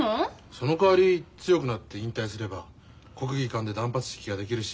そのかわり強くなって引退すれば国技館で断髪式ができるし。